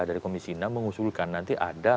dari komisi enam mengusulkan nanti ada